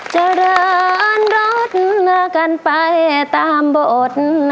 จะเรินรถกันไปตามบท